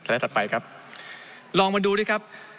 ถัดไปครับลองมาดูดิครับ